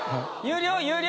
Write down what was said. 有料？